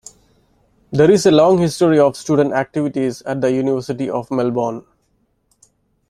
There is a long history of student activities at the University of Melbourne.